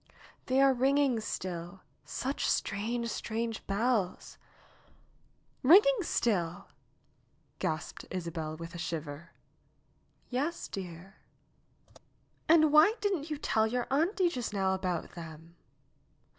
^'They are ringing still. Such strange, strange bells !" ''Kinging still !" gasped Isabel with a shiver. "Yes, dear." "And why didn't you tell your auntie just now about them